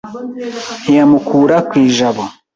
Ntiyamukura ku ijabo